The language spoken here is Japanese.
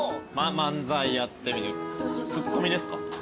漫才やってツッコミですか？